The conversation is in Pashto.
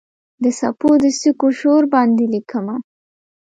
د څپو د څوکو شور باندې لیکمه